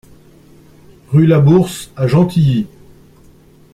Rue Labourse à Gentilly